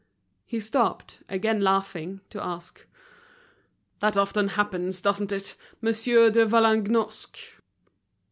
He stopped, again laughing, to ask, "That often happens, doesn't it, Monsieur de Vallagnosc?"